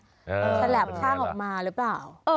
อ่าอะไรนะแข่งข้างออกมารึเปล่า